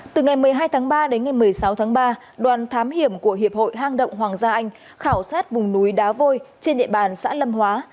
từ ngày một mươi hai tháng ba đến ngày một mươi sáu tháng ba đoàn thám hiểm của hiệp hội hang động hoàng gia anh khảo sát vùng núi đá vôi trên địa bàn xã lâm hóa